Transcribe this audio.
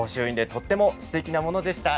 とてもすてきなものでした。